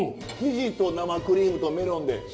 生地と生クリームとメロンで。